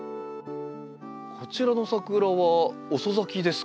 こちらのサクラは遅咲きですか？